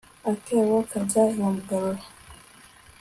akebo kajya iwamugarura